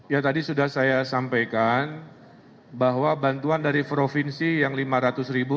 ya tadi sudah saya sampaikan bahwa bantuan dari provinsi yang rp lima ratus ribu